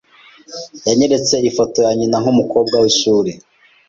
Yanyeretse ifoto ya nyina nkumukobwa wishuri.